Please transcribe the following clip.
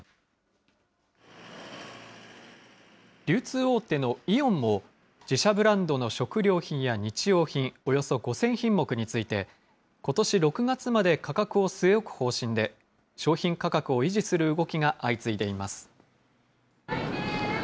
流通大手のイオンも、自社ブランドの食料品や日用品およそ５０００品目について、ことし６月まで価格を据え置く方針で、商品価格を維持する動きが相次いでいます。